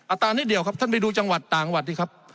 ตรานิดเดียวครับท่านไปดูจังหวัดต่างวัดสิครับ